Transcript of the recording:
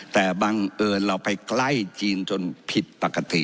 แต่บังเอิญเราไปใกล้จีนจนผิดปกติ